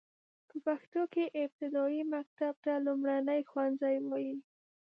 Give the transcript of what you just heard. په پښتو کې ابتدايي مکتب ته لومړنی ښوونځی وايي.